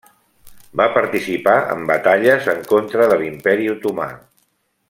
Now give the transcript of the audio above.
Va participar en batalles en contra de l'Imperi Otomà.